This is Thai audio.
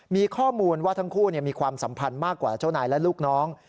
มีข้อมูลว่าทั้งคู่มีความสัมพันธ์มากกว่าเจ้านายและลูกน้อง